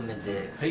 はい。